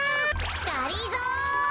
がりぞー！